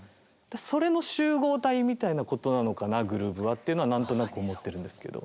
それの集合体みたいなことなのかなグルーヴはっていうのは何となく思ってるんですけど。